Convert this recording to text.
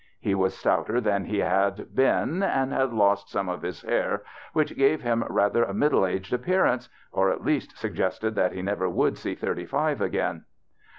He was stouter than he had been 'and had lost some of his hair, which gave him rather a middle aged appear ance, or at least suggested that he never would see thirty five again.